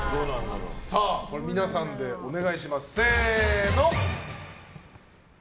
皆さんでお願いします。